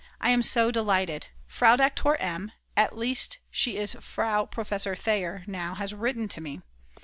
I am so delighted, Frau Doktor M., at least she is Frau Professor Theyer now, has written to me.